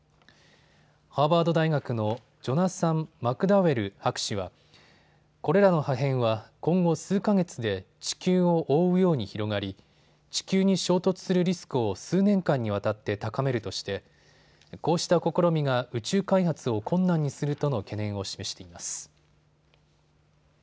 ハーバード大学のジョナサン・マクダウェル博士はこれらの破片は今後数か月で地球を覆うように広がり地球に衝突するリスクを数年間にわたって高めるとしてこうした試みが宇宙開発を困難にするとの懸念を示しています。